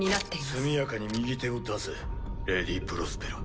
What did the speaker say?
速やかに右手を出せレディ・プロスペラ。